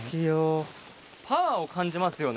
パワーを感じますよね。